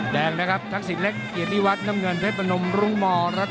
แดงนะครับทักษิตเล็กเกียรติวัฒน์น้ำเงินเทศประนมรุงหมอรัฐนาปันดิษฐ์